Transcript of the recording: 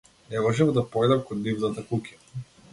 Не можев да појдам кон нивната куќа.